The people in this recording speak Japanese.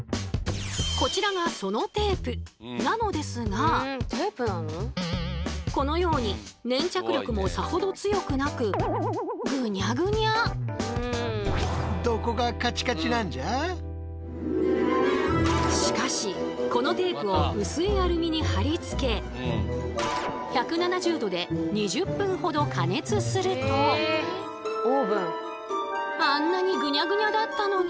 こちらがそのテープなのですがこのように粘着力もさほど強くなくしかしこのテープを薄いアルミに貼り付けあんなにぐにゃぐにゃだったのに。